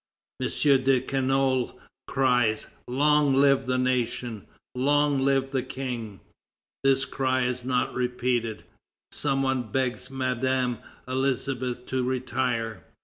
M. de Canolle cries: "Long live the nation! Long live the King!" This cry is not repeated. Some one begs Madame Elisabeth to retire.